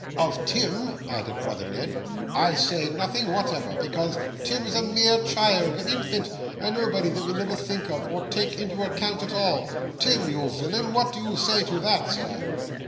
'Of Tim,' added brother Ned, 'I say nothing whatever, because Tim is a mere child an infant a nobody that we never think of or take into account at all. Tim, you villain, what do you say to that, sir?